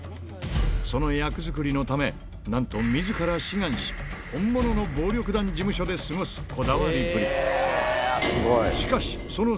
その役作りのため、なんとみずから志願し、本物の暴力団事務所で過ごすこだわりぶり。